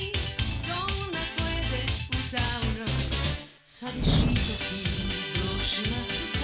「どんな声で歌うの」「さみしいときどうしますか」